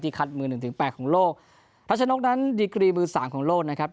คัดมือหนึ่งถึงแปดของโลกรัชนกนั้นดีกรีมือสามของโลกนะครับ